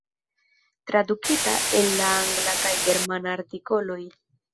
Tradukita el la angla kaj germana artikoloj.